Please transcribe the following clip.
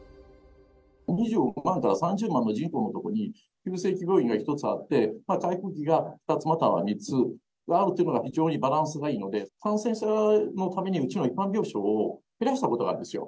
２５万から３０万の人口のとこに、急性期病院が１つあって、回復期が２つ、または３つあるというのが、一番バランスがいいので、感染者のために一般病床を減らしたことがあるんですよ。